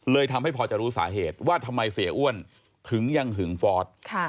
ทำให้พอจะรู้สาเหตุว่าทำไมเสียอ้วนถึงยังหึงฟอร์ส